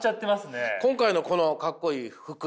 今回のこのかっこいい服